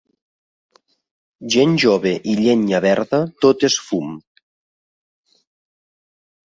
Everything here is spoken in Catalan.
Gent jove i llenya verda, tot és fum.